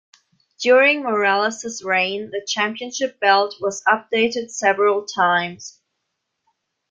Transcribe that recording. During Morales's reign, the championship belt was updated several times.